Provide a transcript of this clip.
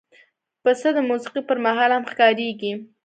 پسه د موسیقۍ پر مهال هم ښکارېږي.